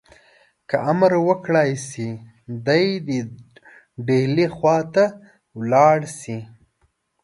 که امر وکړای شي دی دي ډهلي خواته ولاړ شي.